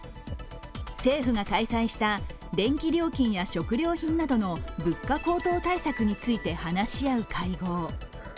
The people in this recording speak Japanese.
政府が開催した電気料金や食料品などの物価高騰対策について話し合う会合。